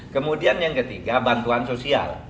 kemudian yang ketiga bantuan sosial